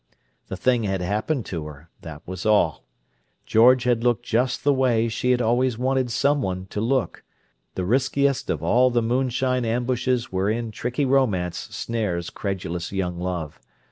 The thing had happened to her; that was all. George had looked just the way she had always wanted someone to look—the riskiest of all the moonshine ambushes wherein tricky romance snares credulous young love.